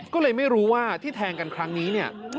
ก็เลยไม่รู้ว่าที่แทงกันครั้งนี้เนี่ย